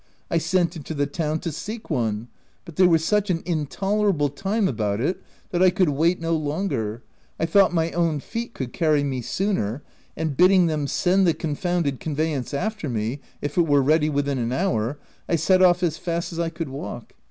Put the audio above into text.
I sent into the town to seek one ; but they were such an intoler able time about it that I could wait no longer : I thought my own feet could carry me sooner , and bidding them send the confounded convey ance after me, if it were ready within an hour, I set off as fast as I could walk.